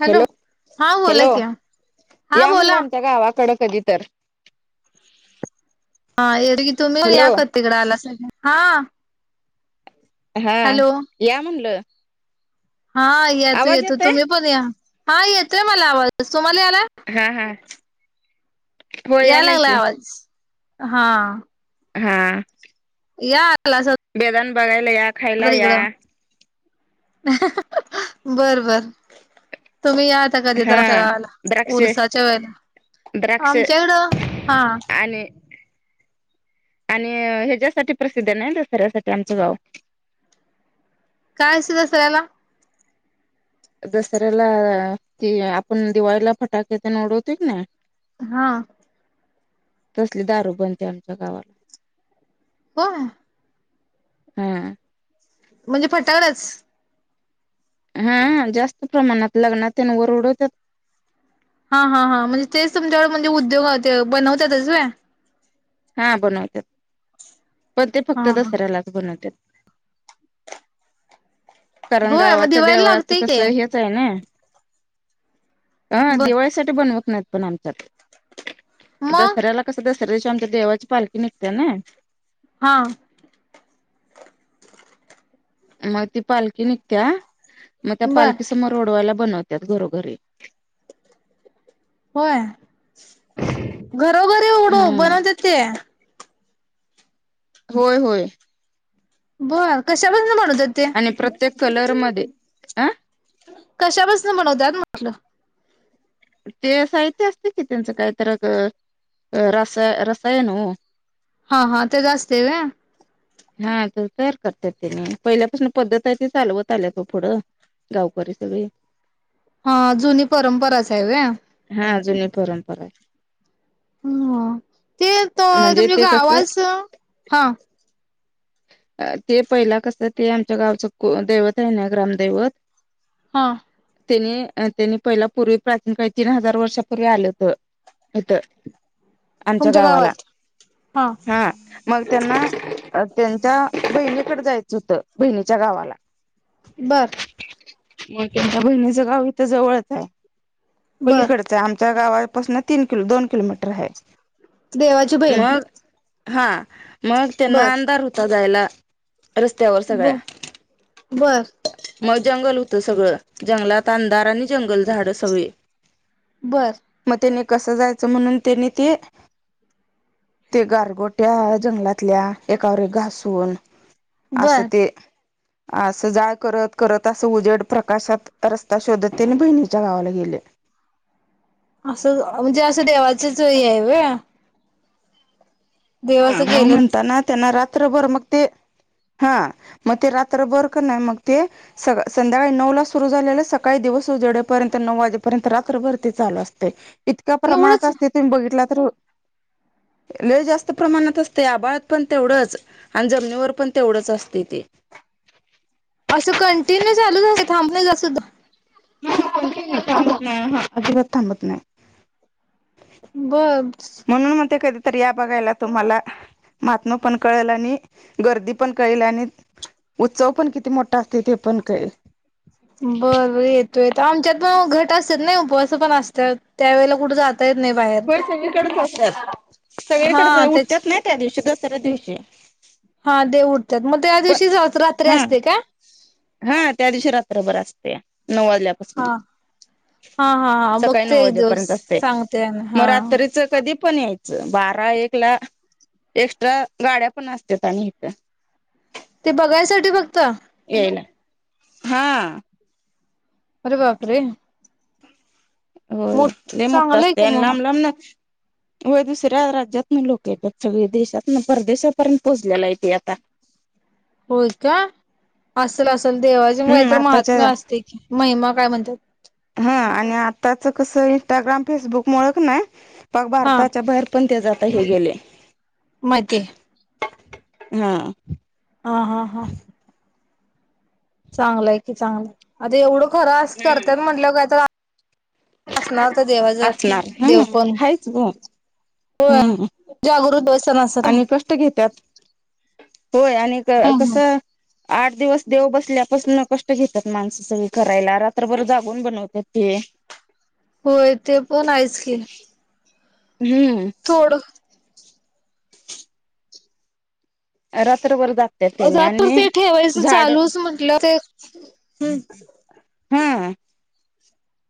Hello हा बोला hello hello, की हा या बोला म्हणलं आमच्या गावाकडं कधी तर. हा येतोकी, तुम्ही पण हॅलो या कधी तिकड आला सा की, हा. हा, हॅलो या म्हणलं. हा आवाज येतो-येतो, येतोय तुम्ही पण या, हा येतोय मला आवाज, तुम्हाला यालाय? हा-हा. या लागलाय आवाज, हा. हा. या आलास बेदान बघायला या. बसा खायला या तिकडं. बर-बर, तुम्ही या कधीतर हा आमच्या गावाला, द्राक्ष उरसाच्या वेळेला, द्राक्ष आमच्या इकडं हा. आणि आणि ह्याच्यासाठी प्रसिद्ध नाही दसऱ्यासाठी आमचं गाव. काय असतं दसऱ्याला. दसऱ्याला, ते आपण दिवाळीला फटाके पण उडतोय की नी हा. तसली दारू बनते आमच्या गावात. होय. हम्म. म्हणजे फटाकड्याचं. हू, जास्त प्रमाणात, लग्नात तेन वर उडवतात हा हा हा, म्हणजे तेच तुमच्याकडं, म्हणजे उद्योग हाय ते बनवत्यातच व्हय? हा बनवतेत. पण ते हा फक्त हा दसऱ्यालाच बनवतेत. कारण होय मग गावाच्या दिवाळीला देवाचं लागतय की कसं हे -च ए ना? हा बर दिवाळीत साठी बनवत नाहीत पण आणतात. मग दसऱ्याला कसं [unintelligible] ते देवाची पालखी निघते ना हा. मग ती पालखी निघतीया, मग त्या बर पालखी समोर उडवायला बनवत्यात, घरोघरी. होय, घरोघरी उडू, हा बनवतेत त्ये? होय होय. बंर, कशापासनं बनवतेत ते? ते प्रत्येक कलर मधे आ कशापासनं बनवत्यात म्हटलं ते साहित्य असतं कि त्यांचं कायतर अगं रासाय रसायन हो हा हा, त्याचं असतंय व्हय? हा ते तयार करत्यात त्यानी. पहिल्यापासून पद्धत ए ती चालवत आल्यात वो पुढं गावकरी सगळी हा, जुनी परंपराच ए व्हय? हा जुनी परंपरा ए हम्म, ते तो आहे म्हणजे तुमच्या ते कसं गावाचं, हा ते पहिला कसं ते, आमच्या गावचं कु, दैवत ए ना ग्रामदैवत हा. तेनी, त्यांनी पहिला पूर्वी प्राचीन काळी तीन हजार वर्षापूर्वी आलं [unintelligible] हितं, आमच्या तुमच्या गावाला, गावात हा मग त्यांना अ, त्यांच्या बहिणीकड जायचं होतं, बहिणीच्या गावाला बर. मग त्यांच्या बहिणीचं गाव हिथं जवळच ए- बर पलीकडच्या, आमच्या गावापासनं तीन किलो, दोन किलोमीटर हाये. देवाची बहीण मग, हा मग बर त्यांना अंधार होता जायला रस्त्यावर ब सगळ्या बर मग जंगल होतं सगळं. जंगलात अंधार आणि जंगल झाडं सगळी बर. मग त्यानी कसं जायचं म्हणून त्यांनी ते ते गारगोट्या जंगलात -ल्या, एकावर घासून, असं बर ते आसं जाळ करत करत, आसं उजेड, प्रकाशात रस्ता शोधत त्यांनी बहिणीच्या गावाला गेले आसं, म्हणजे असं देवाचंच हे ए व्हय? हा, देवाचं मग गेलं ते म्हणताना त्यांना रात्रभर मग ते, हा मग ते रात्र बर का नाई मग ते स संध्याकाळी नऊला सुरू झालेलं, सकाळी दिवस उजडेपर्यंत, नऊ वाजेपर्यंत रात्रभर ते चालू असतय इतक्या प्रमाणात एवढंच असतं, तुम्ही बघितला तर, लय जास -स्त प्रमाणात असतय. आभाळात पण तेवढंच अन जमनीवर पण तेवढंच असतय ते असं कंटिन्यू चालूच, असं थांबल्या जात सुद्धा? [inaudible] अं हं अजिबात थांबत नाय. बघ म्हणून मग ते कधीतरी या बघायला तुम्हाला महात्म पण कळेल आणि गर्दी पण कळेल आणि उत्सव पण किती मोठा असतय ते पण कळेल. बर बर येतो येतो. आमच्यात पण आओ घट असत्यात न उपवास पण असत्यात, त्यावेेळेला कुठ जात त येतं नाही बाहेर. होय, सगळीकडेच असत्यात हा सगळीकडेच ये, त्याच उठतात नाही त्या दिवशी दसऱ्या दिवशी हा देव उठत्यात, मग त्या पण दिवशीच रात्री हा असते काय? हा त्या दिवशी रात्रभर असत्या, नऊ वाजल्यापसन हा हा हा हा सकाळी नऊ बघते एक दिवस वाजेपर्यंत असते, सांगते मग हा रात्रीच कधी पण यायचं बारा, एक ला एक्स्ट्रा गाड्या पण असत्यात आणि इथ ते बघायसाठी फक्त? येयला. हा. अरे बापरे. होय, लय मोठ चांगलंय असतय का आणि मग लांब लांब न होय, दुसऱ्या राज्यातन लोक येतात, सगळी देशातन, परदेशापर्यंत पोहोचलेला हाय ते आता. होय का? असल असल देवाचे काय हम्म तर आताच्या महात्म्य असते की, महिमा काय म्हणत्यात. हा आणि आताच कसं इंस्टाग्राम, फेसबुकमुळं क ने पाक हा भारताच्या बाहेर पण ते जाता हे गेले. माहिती. हा. ह हा हां. चांगलंय की चांगलंय. आता एवढं खरं अस करत्यात म्हटल्याव काय तर असणार त्या देवाच असणार देव हा. पण. हायच ग हो. हम्म. जागृत देवस्थान अस आणि कष्ट घेत्यात. होय आणि ना कसं आठ दिवस देव बसल्यापासून कष्ट घेतात माणसं सगळी करायला. रात्रभर जागून बनवतात ते. ह. होय, ते पण आहेच की. हम्म. थोडं रात्रभर जाग रात्र ते ठेवायचं चालूच म्हंटलं ते हं हा.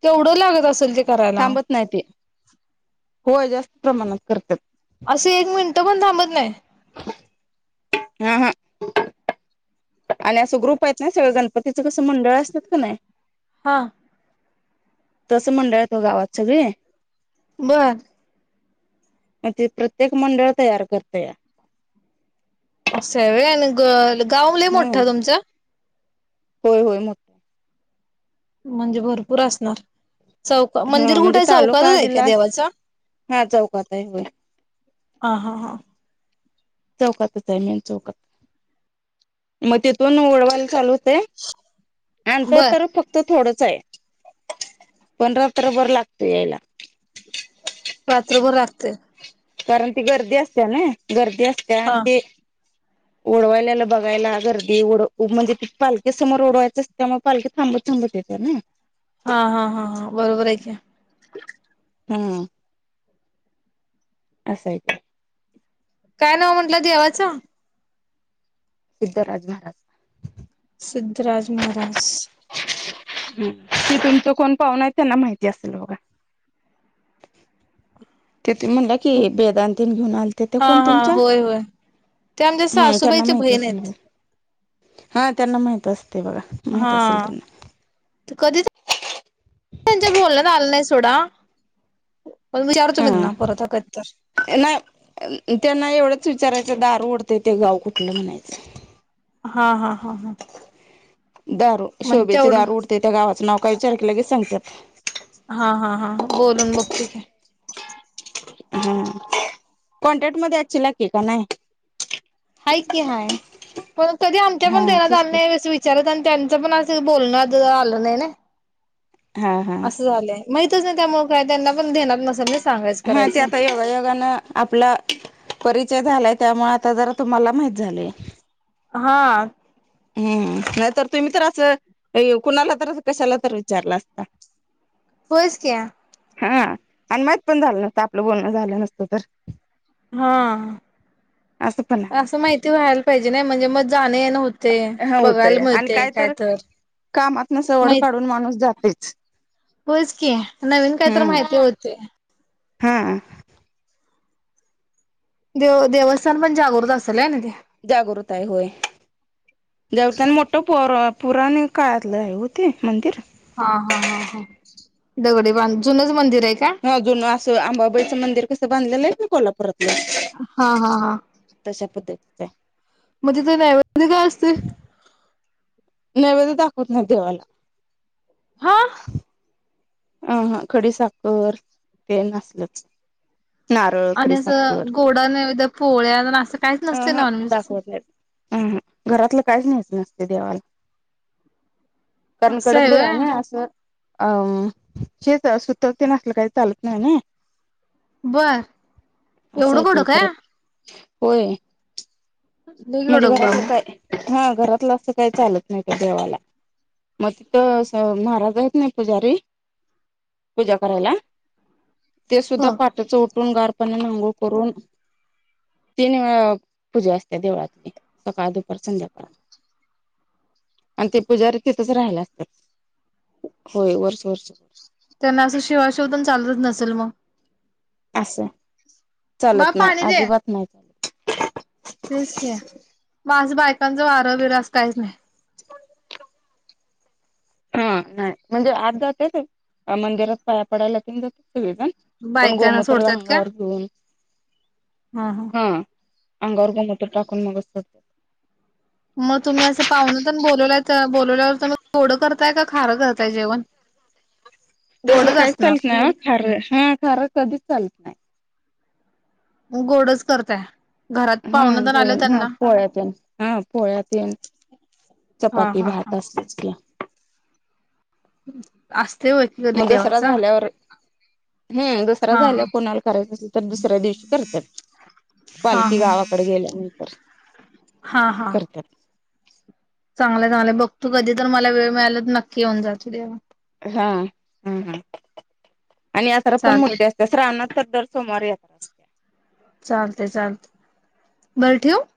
तेवढं लागत असेल ते करायला थांबत नाही ते. होय, जास्त प्रमाणात करत्यात. असे एक मिनटं पण थांबत नाय? हा हा आणि असं ग्रुप आहेत ना. सगळं गणपतीचं कसं मंडळ असतात का नाही हां. तसं मंडळ हायत हो गावात सगळे बर. मग ते प्रत्येक मंडळ तयार करत या. असय व्हय आणि ग गाव लय हा मोठ तुमच? होय होय मग म्हणजे भरपूर असणार. चौक हा मंदिर कुठे म्हणजे आहे तालुका चौकातच आहे का जिल्हा देवाच? हा चौकात आहे होय ह हा हां. चौकातच आहे मेन चौकात मग तिथून ओडवायला चालूच होत हे. अंतर बर तर फ तर थोडच आहे पण रात्र भर लागत यायला. रात्रभर राखत कारण ती गर्दी असते ना गर्दी असते आणि हा ते ओडवायल्याला बघायला गर्दी ओड म्हणजे ते पालखी समोर ओडवायचं असते त्यामुळे पालखी थांबत थांबत येते ना. [unintelligible] हा हा हा ह बरोबर आहे का अह हम्म. असं आहेेत. काय नाव म्हनलं देवाचं सिद्धराज महाराज सिद्धराज महाराज ह ते तुमच कोण पाहून आहेत त्यांना माहिती असेल बघा. तिथ म्हटलं कि बेदांतीन घेऊन आलेते ते हा कोण हा तुमच्या होय होय ते आमच्या हा त्यांना सासूबाईचे माहित बहीण असेल आहेत बघा हा त्यांना माहित असते बघा. हा. माहित असेल त्यांना कधी त्यांच्या बोलण्यात आलं नाही सोडा. पण विचारू तुम्ही नाव हा परत एकदा तर नाही त्यांना एवढंच विचारायचं दार ओढतंय ते गाव कुठलं म्हणायचं. हा हा हा हा. दारू मग शोभेचे तेवढं दारू उडते त्या गावाचं नाव काय विचार की लगेच सांगतात. हा हा हां बोलून बघते का. हा कॉन्ट्रॅक्ट मध्ये याची लाकी का नाही. हाय की हय पण कधी आमच्या पण हा देवास तेच की अन्याय. चल त्यांचं पण असं बोलणं झाल नाही ना हा हा असं झालंय. माहितच नाही त्यामुळे काय त्यांना पण देणार ना सर्व्हीस. हा ते आता योगायोगान. आपला परिचय झालाय त्यामुळे आता जरा तुम्हाला माहीत झाले हे. हा. हम्म नाहीतर तुम्ही तर असं कुणाला तर कशाला तर विचारला असता. [unintelligible] बस क्या. हा आणि माहित पण झालं नसतं आपलं बोलणं झालं नसतं तर. हा असं पण आहे. असं माहिती व्हायला पाहिजे म्हणजे मग जाण येन होत. हा होतय आणि काय तर काम आपण सवड माहित काढून माणूस जातेच. होयच की नवीन काही तरी हम्म माहिती होते. हा. देव देवस्थान पण जागृत असेलय ना ते. जागृत आहे होय. देव त्याने मोठं पर पुराण काळातलं आहे हो ते मंदिर. हा हा हा हा दगडी बांध जुनच मंदिर हाय काय हा जून असं आंबाबाईचं मंदिर कसं बांधलेलं हाय कनय कोल्हापुरातलं हा हा हा तशा पद्धतीचं हाय म तिथं नैवेद मधे काय असतय नैवेद्य दाखवत नाहीत देवाला हा आहा खडी साखर तेन असलच नारळ आणि खडी असं साखर गोडा नैवेद्य पोळ्या असं काहीच नसते अह नॉनव्हेज. दाखवत नाहीत अह घरातलं काहीच नाहीयच नसतय देवाला कारण असं कडक आहे देव हाय व्हय. नय असं अम तेच सुतक तेन आसलं काही चालत नाही नय बर अस एवढं हाय ते कडक काय परत. होय लई म्हणजे कडक बा घरातलं मग काय. हा घरातलं असं काही चालत नाही त्या देवाला म तिथं अस महाराज हाय कनाय पुजारी पूजा करायला ते सुद्धा हो. पाटच उठून गार [inaudible] पाण्यानं आंघोळ करून तीन वेळा पूजा असत्या देवळात सकाळ, दुपार, संध्याकाळ आणि ते पुजारी तिथच राहायला असत्यात होय वर्ष वर्ष त्यांना असं शिवा शिव तेन चालतच नसेल मग अस हाय बा चालत नाही पाणी दे अजिबात नाही चालत तेच की म असं बायकांच वारं बीर असं काहीच नाही हा नाही म्हणजे आत जात्यात मंदिरात पाया पडायला तेन जात्यात सगळी जण पण बायकांना गोमूत्र सोडतात का? अंगावर घेऊन हा हा हा अंगावर गोमूत्र टाकून मग [inaudible] म तुम्ही असं पाहून तेन बोलवलायत बोलवल्यावर तुम्ही गोडं करताय का खारं करताय जेवण तसलं गोडच काहीच चालत असणार नाय व्हय खार हा खारं कधीच चालत नाही मग गोडच करताय घरात हा पाहुणं तेन आलं जेवण हा त्यांना पोळ्या तेन हा पोळ्या तेन हा चपाती हा हा भात असलच की असय व्हय की म दसरा झाल्यावर हम दसरा हा हा झाल्यावर कुणाला करायच असल तर दुसऱ्या दिवशी करत्यात हा पालखी गावाकड गेल्यानंतर हा हा करत्यात चांगल झालंय बघ तो कधी तर मला वेळ मिळाला तर नक्की येऊन जातो देवाला हा हा हा आणि यात्रा पण चालतंय मोठी असत्या श्रावणात तर दर सोमवारी यात्रा असत्या चालतय चालतय बरं ठेऊ